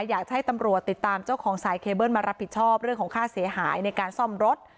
อยากจะให้ตำรวจติดตามเจ้าของสายเคเบิ้ลมารับผิดชอบเรื่องของค่าเสียหายในการซ่อมรถ